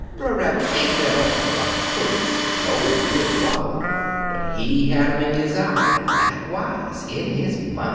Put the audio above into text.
"Brer Rabbit ain't let on 'bout de pullets an' ol' Widdle Waddle, but he had um in his eye an' likewise in his min'.